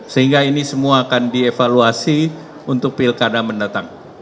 sehingga ini semua akan dievaluasi untuk pilkada mendatang